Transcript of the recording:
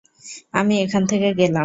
আমি এখান থেকে গেলাম।